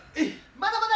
まだまだ。